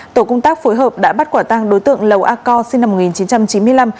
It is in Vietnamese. tổ công tác phối hợp đã bắt quả tăng đối tượng lầu a co sinh năm một nghìn chín trăm chín mươi năm